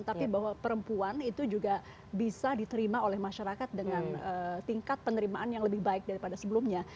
tapi bahwa perempuan itu juga bisa diterima oleh masyarakat dengan tingkat penerimaan yang lebih baik daripada sebelumnya